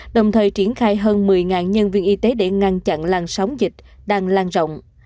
đồng thời triển khai hơn một mươi nhân viên y tế để ngăn chặn lan sóng dịch đang lan rộng